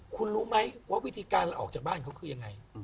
คุณรู้ไหมว่าวิธีการออกจากบ้านเขาคือยังไง